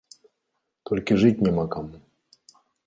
Толькі жыць няма каму.